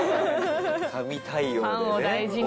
神対応でね。